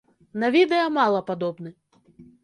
На відэа мала падобны.